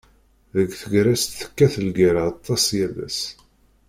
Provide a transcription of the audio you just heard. Deg tegrest, tekkat lgerra aṭas yal ass.